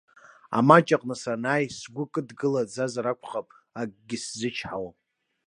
Амаҷ аҟны санааи, сгәы кыдгылаӡазар акәхап, акгьы сзычҳауам.